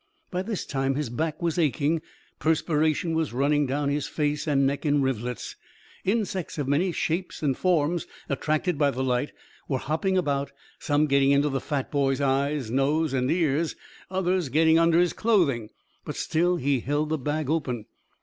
By this time his back was aching, perspiration was running down his face and neck in rivulets. Insects of many shapes and forms, attracted by the light, were hopping about, some getting into the fat boy's eyes, nose and ears, others getting under his clothing. But still he held the bag open.